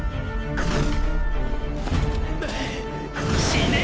死ね！！